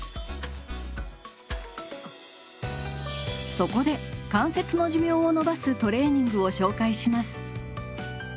そこで関節の寿命を延ばすトレーニングを紹介します。